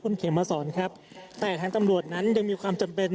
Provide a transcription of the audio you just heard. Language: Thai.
คุณเขมมาสอนครับแต่ทางตำรวจนั้นยังมีความจำเป็น